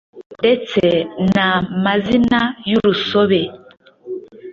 ndetse na mazina yu rusobe